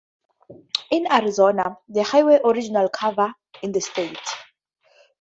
In Arizona, the highway originally covered in the state.